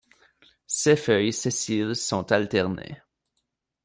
Ses feuilles sessiles sont alternées.